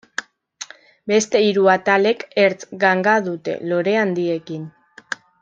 Beste hiru atalek ertz-ganga dute, lore handiekin.